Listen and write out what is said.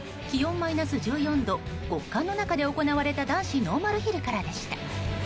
気温マイナス１４度極寒の中で行われた男子ノーマルヒルからでした。